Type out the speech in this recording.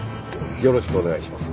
よろしくお願いします。